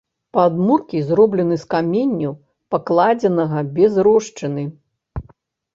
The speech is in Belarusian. Падмуркі зроблены з каменю, пакладзенага без рошчыны.